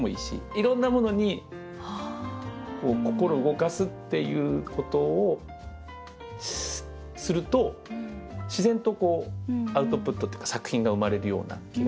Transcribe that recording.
いろんなものに心を動かすっていうことをすると自然とアウトプットっていうか作品が生まれるような気がしていて。